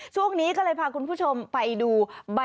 ช่วงนี้ก็เลยพาคุณผู้ชมไปดู